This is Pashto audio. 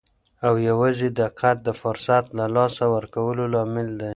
او یوازې دقت د فرصت له لاسه ورکولو لامل.